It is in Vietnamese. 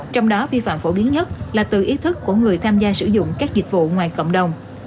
trong đó vi phạm phổ biến nhất là từ ý thức của người tham gia sử dụng các dịch vụ ngoài cộng đồng